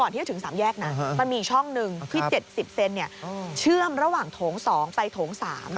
ที่๗๐เซนเนี่ยเชื่อมระหว่างโถง๒ไปโถง๓